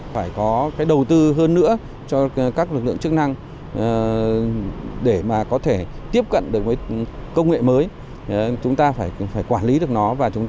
phải có đầu tư hơn nữa cho các lực lượng chức năng để có thể tiếp cận được công nghệ mới chúng ta phải quản lý được nó